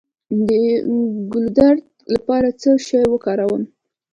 د ګلو درد لپاره باید څه شی وکاروم؟